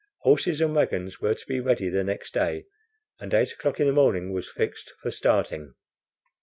Horses and wagons were to be ready the next day, and eight o'clock in the morning was fixed for starting.